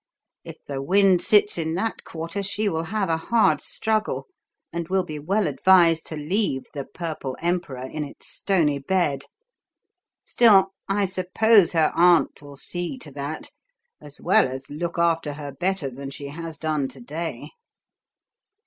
If the wind sits in that quarter she will have a hard struggle, and will be well advised to leave the 'Purple Emperor* in its stony bed. Still, I suppose her aunt will see to that, as well as look after her better than she has done to day."